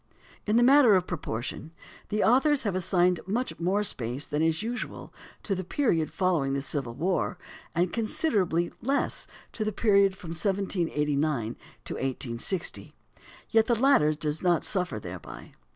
In the matter of proportion, the authors have assigned much more space than is usual to the period following the Civil War, and considerably less to the period from 1789 to 1860; yet the latter does not suffer thereby.